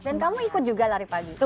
dan kamu ikut juga lari pagi